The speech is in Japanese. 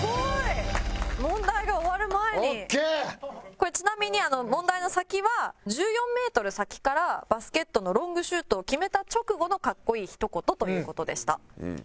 これちなみに問題の先は「１４メートル先からバスケットのロングシュートを決めた直後の格好いいひと言」という事でした。